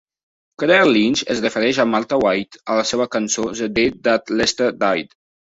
Claire Lynch es refereix a Martha White a la seva cançó "The Day That Lester Died".